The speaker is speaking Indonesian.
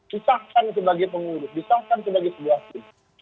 pisahkan sebagai pengurus pisahkan sebagai sebuah tim